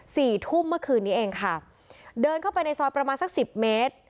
สี่ทุ่มเมื่อคืนนี้เองค่ะเดินเข้าไปในซอยประมาณสักสิบเมตร